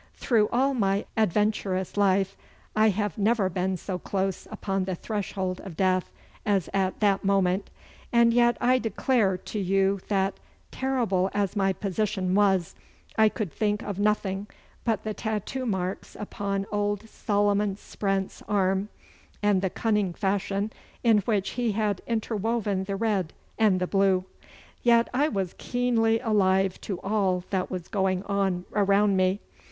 Through all my adventurous life I have never been so close upon the threshold of death as at that moment, and yet I declare to you that, terrible as my position was, I could think of nothing but the tattoo marks upon old Solomon Sprent's arm, and the cunning fashion in which he had interwoven the red and the blue. Yet I was keenly alive to all that was going on around me.